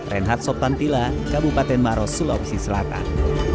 reinhard soptantila kabupaten maros sulawesi selatan